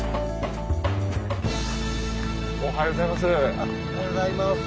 おはようございます。